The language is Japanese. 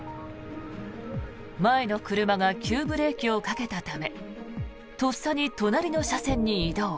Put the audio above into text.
前の車が急ブレーキをかけたためとっさに隣の車線に移動。